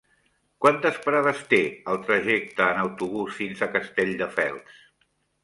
Quantes parades té el trajecte en autobús fins a Castelldefels?